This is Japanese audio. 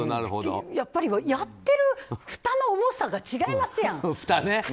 やってるふたの重さが違いますやん。